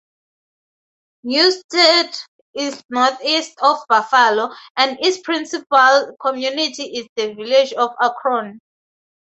Newstead is northeast of Buffalo, and its principal community is the village of Akron.